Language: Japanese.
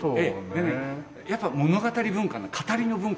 でねやっぱ物語文化の語りの文化なの日本は。